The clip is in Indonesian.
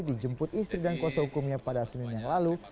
dijemput istri dan kuasa hukumnya pada senin yang lalu